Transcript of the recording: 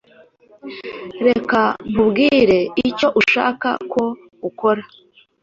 Reka nkubwire icyo nshaka ko ukora.